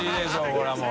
これはもう。